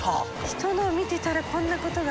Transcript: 人のを見てたらこんなことが。